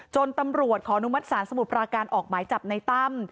ตำรวจขออนุมัติศาลสมุทรปราการออกหมายจับในตั้ม